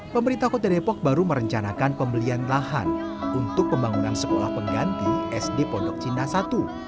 pemerintah kota depok baru merencanakan pembelian lahan untuk pembangunan sekolah pengganti sd pondok cina i